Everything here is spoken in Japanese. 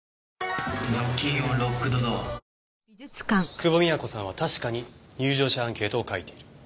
久保美也子さんは確かに入場者アンケートを書いている。